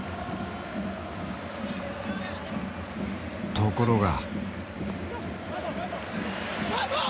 ところが。